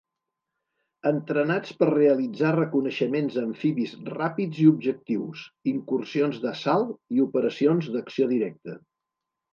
Entrenats per realitzar reconeixements amfibis ràpids i objectius, incursions d'assalt i operacions d'acció directa.